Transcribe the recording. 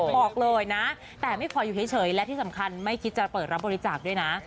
บอกเลยนะแต่ไม่ขออยู่เฉยและที่สำคัญไม่คิดจะเปิดรับบริจาคด้วยนะ